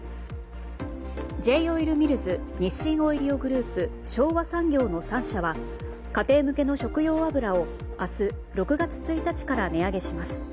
Ｊ‐オイルミルズ日清オイリオグループ昭和産業の３社は家庭向けの食用油を明日６月１日から値上げします。